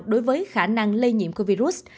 đối với khả năng lây nhiễm của virus